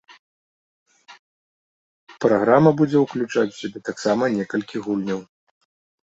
Праграма будзе ўключаць у сябе таксама некалькі гульняў.